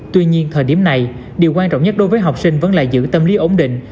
tuy nhiên thời điểm này điều quan trọng nhất đối với học sinh vẫn là giữ tâm lý ổn định